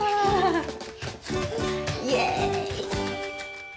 イエーイ！